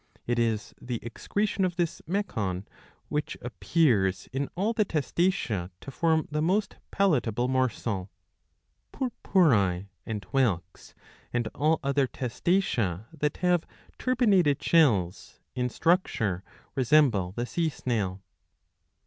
^^ It is the excretion of this mecon, which appears in all the Testacea to form the most palatable morsel. Purpurae,^° and whelks, and all other Testacea that have turbinated shells, in structure resemble the sea snail.